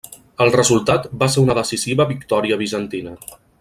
El resultat va ser una decisiva victòria bizantina.